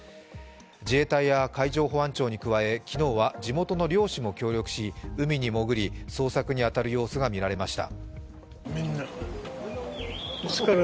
自衛隊や海上保安庁に加え、昨日は地元の漁師も協力し、海に潜り、捜索に当たる様子が見られました。